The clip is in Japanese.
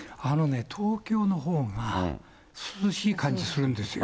東京のほうが涼しい感じするんですよ。